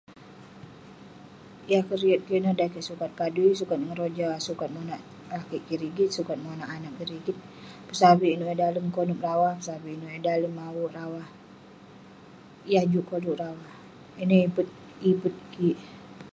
yah keriyet kik ineh dan kik sukat padui, sukat ngeroja, sukat monak lakeik kik rigit, sukat monak anag kik rigit, pesavik inouk yah dalem konep rawah ,pesavik inouk yah dalem awerk rawah, yah juk koluk rawah..ineh ipet kik